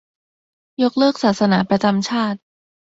- ยกเลิกศาสนาประจำชาติ